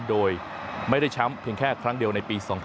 โดยไม่ได้แชมป์เพียงแค่ครั้งเดียวในปี๒๐๑๖